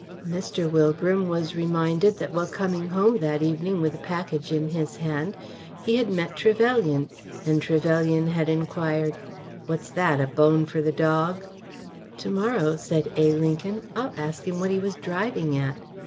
Mr. Wilbram was reminded that while coming home that evening with a package in his hand he had met Trevelyan, and Trevelyan had inquired: "What's that? A bone for the dog?" "To morrow," said A. Lincoln, "I'll ask him what he was driving at."